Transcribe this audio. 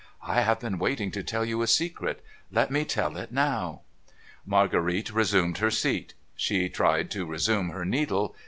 I have been waiting to tell you a secret. Let me tell it now.' Marguerite resumed her seat. She tried to resume her needle.